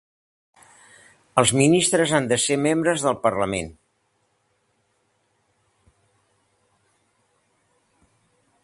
Els ministres han de ser membres del parlament.